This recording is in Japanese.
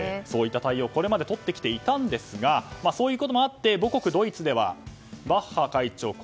そういった対応をこれまでとってきていたんですがそういうこともあって母国ドイツではバッハ会長